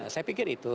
saya pikir itu